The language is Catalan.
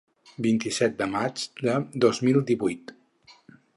Vint-i-set de maig de dos mil divuit.